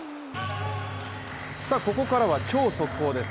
ここからは超速報です。